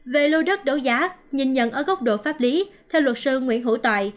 về lô đất đấu giá nhìn nhận ở góc độ pháp lý theo luật sư nguyễn hữu tài